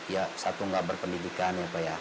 ya satu nggak berpendidikan ya pak ya